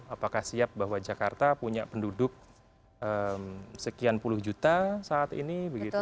apakah siap bahwa jakarta punya penduduk sekian puluh juta saat ini